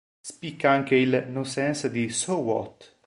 Spicca anche il "nonsense" di "So What?